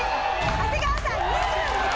長谷川さん２２点。